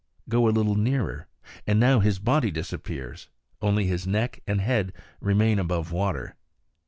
Go a little nearer, and now his body disappears; only his neck and head remain above water.